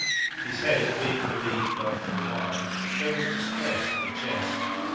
His head being relieved after a while, there was distress at the chest.